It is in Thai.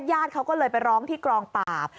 ญาติเขาก็เลยไปร้องที่กองปราบ